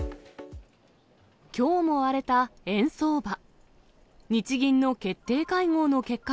きょうも荒れた円相場。